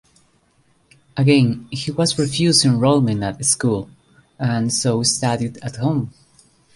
Again he was refused enrollment at school, and so studied at home.